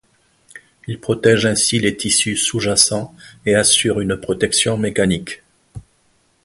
Il protège ainsi les tissus sous-jacent et assure une protection mécanique.